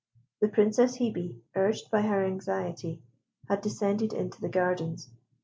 The Princess Hebe, urged by her anxiety, had descended into the gardens.